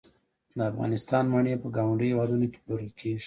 د افغانستان مڼې په ګاونډیو هیوادونو کې پلورل کیږي